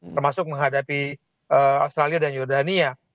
termasuk menghadapi australia dan jordania